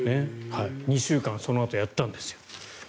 ２週間そのあとやったんですよ。